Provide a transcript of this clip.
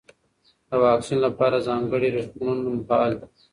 د واکسین لپاره ځانګړي روغتونونه فعال دي.